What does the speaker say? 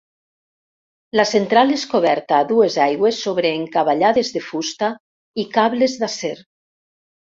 La central és coberta a dues aigües sobre encavallades de fusta i cables d'acer.